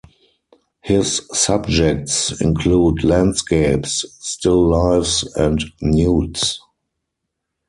His subjects include landscapes, still lifes, and nudes.